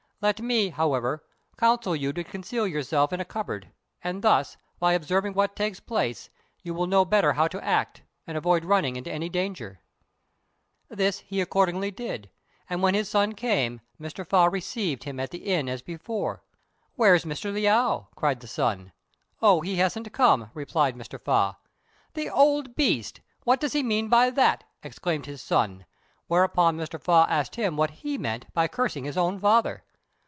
Let me, however, counsel you to conceal yourself in a cupboard, and thus, by observing what takes place, you will know better how to act, and avoid running into any danger." This he accordingly did, and, when his son came, Mr. Fa received him at the inn as before. "Where's Mr. Liu?" cried the son. "Oh, he hasn't come," replied Mr. Fa. "The old beast! What does he mean by that?" exclaimed his son; whereupon Mr. Fa asked him what he meant by cursing his own father.